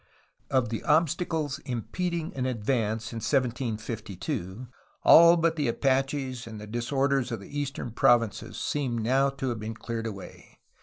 Of the obstacles impeding an advance in 1752 all but the Apaches and the disorders of the eastern provinces seemed now to have been cleared away.